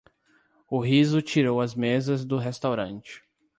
O riso tirou as mesas do restaurante.